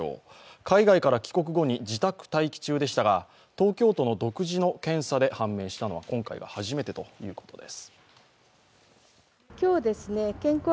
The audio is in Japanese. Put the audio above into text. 海外から帰国後に自宅待機中でしたが、東京都の独自の検査で判明したのは今回が初めてということです。